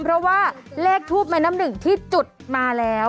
เพราะว่าเลขทูบแม่น้ำหนึ่งที่จุดมาแล้ว